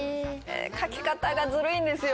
描き方がずるいんですよ。